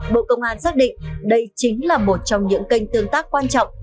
bộ công an xác định đây chính là một trong những kênh tương tác quan trọng